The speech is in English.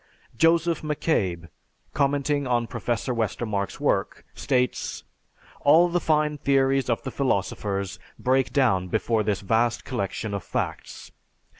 Joseph McCabe, commenting on Professor Westermarck's work states, "All the fine theories of the philosophers break down before this vast collection of facts.